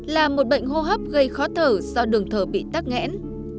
là một bệnh hô hấp gây khó thở do đường thở bị tắc nghẽn